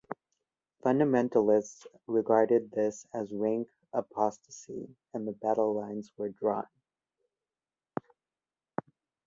Fundamentalists regarded this as rank apostasy, and the battle-lines were drawn.